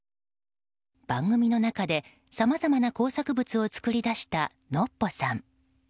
番組の中でさまざまな工作物を作り出したノッポさん。